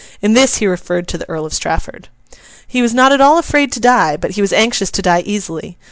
In this he referred to the Earl of Strafford. He was not at all afraid to die; but he was anxious to die easily.